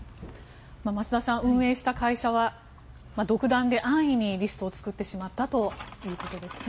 増田さん運営した会社は独断で安易にリストを作ってしまったということですね。